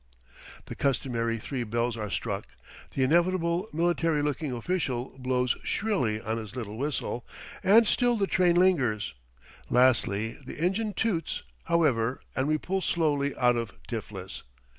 The customary three bells are struck, the inevitable military looking official blows shrilly on his little whistle, and still the train lingers; lastly, the engine toots, however, and we pull slowly out of Tiflis.